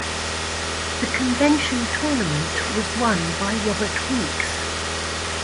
The convention tournament was won by Robert Weeks.